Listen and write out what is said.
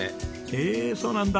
へえそうなんだ。